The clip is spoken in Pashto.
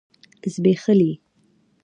ځبيښلي